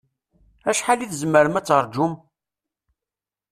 Acḥal i tzemrem ad taṛǧum?